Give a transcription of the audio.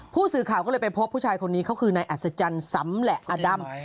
ผู้สื่อข่าวก็เลยไปพบผู้ชายคนนี้เขาคือนายอัศจรรย์สำแหละอดำ